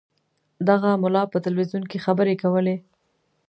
دغه ملا په تلویزیون کې خبرې کولې.